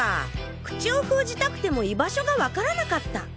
口を封じたくても居場所が分からなかった。